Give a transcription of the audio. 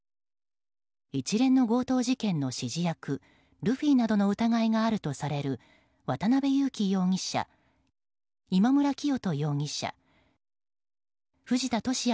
一連の強盗事件の指示役ルフィなどの疑いがあるとされる渡辺優樹容疑者、今村磨人容疑者藤田聖也